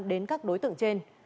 đến các đối tượng trên